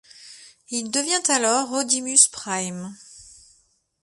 Il devient alors Rodimus Prime.